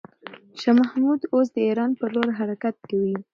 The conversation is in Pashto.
شاه محمود اوس د ایران پر لور حرکت کوي.